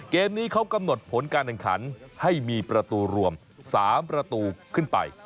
เกมนี้เขากำหนดผลการแข่งขันให้มีประตูรวม๓ประตูขึ้นไป